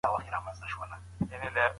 د ټولني بنسټ بايد پر تقوی او عدالت وي.